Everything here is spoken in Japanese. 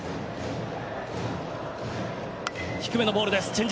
低めのボールです。